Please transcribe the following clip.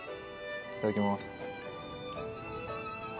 いただきます。